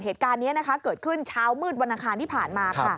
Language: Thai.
เหตุการณ์นี้เกิดขึ้นเช้ามืดวันอังคารที่ผ่านมาค่ะ